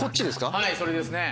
はいそれですね。